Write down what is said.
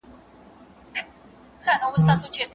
ما په قرآن کې د چا ولوستی صفت شېرينې